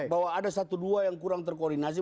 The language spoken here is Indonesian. bahwa ada satu dua yang kurang terkoordinasi